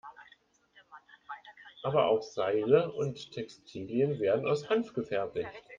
Aber auch Seile und Textilien werden aus Hanf gefertigt.